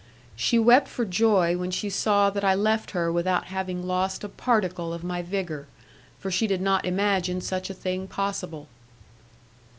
She wept for joy when she saw that I left her without having lost a particle of my vigour, for she did not imagine such a thing possible.